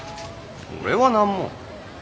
俺は何も。